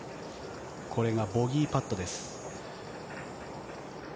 これがボギーパットです。